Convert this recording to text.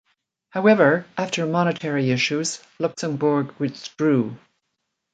However, after monetary issues, Luxembourg withdrew.